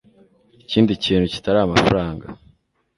ikindi kintu kitari amafaranga